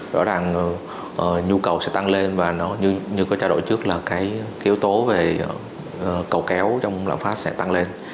rõ ràng nhu cầu sẽ tăng lên và nó như có trao đổi trước là cái yếu tố về cầu kéo trong lạm phát sẽ tăng lên